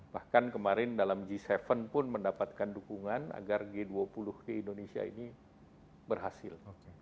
bahkan kemarin dalam g tujuh pun mendapatkan dukungan agar g dua puluh di indonesia ini berhasil